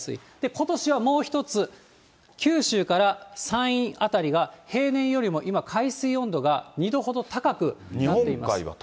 ことしはもう一つ、九州から山陰辺りが、平年よりも今、海水温度が２度ほど高くなっています。